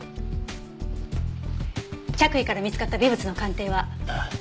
着衣から見つかった微物の鑑定は？